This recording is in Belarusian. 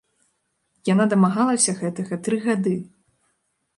Яна дамагалася гэтага тры гады.